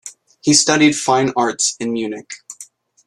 He studied fine arts in Munich.